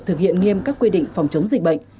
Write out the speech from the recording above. thực hiện nghiêm các quy định phòng chống dịch bệnh